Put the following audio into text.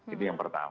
itu yang pertama